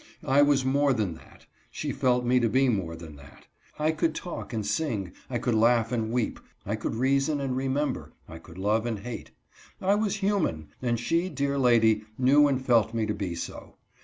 I was more than that; she felt me to be more than that. I could talk and sing ; I could laugh and weep ; I could reason and remember ; I could love and hate. I was human, and she, dear lady, knew and felt me to be so.